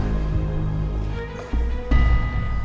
biarnya juga kita bukannya fruit opong sih